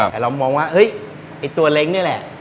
แต่เรามองว่าเฮ้ยไอ้ตัวเล้งนี่แหละ